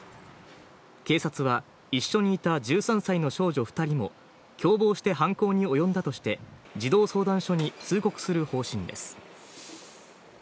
警察は一緒にいた１３歳の少女２人も共謀して犯行におよんだとして児童相談所に通告する方針です。